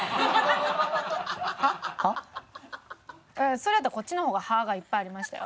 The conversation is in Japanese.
それやったらこっちの方が「は？」がいっぱいありましたよ。